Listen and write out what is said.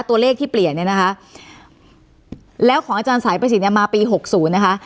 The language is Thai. ตัวเลขที่เปลี่ยนเนี่ยนะคะแล้วของอาจารย์สายประสิทธิ์เนี่ยมาปีหกศูนย์นะคะ